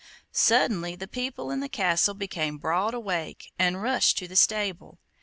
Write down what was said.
Suddenly the people in the castle became broad awake, and rushed to the stable.